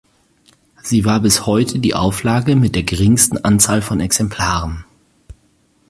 Sie war bis heute die Auflage mit der geringsten Anzahl von Exemplaren.